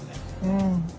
うん。